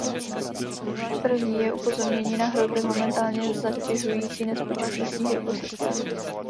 První je upozornění na hrozby momentálně zatěžující nespočet lesních ekosystémů.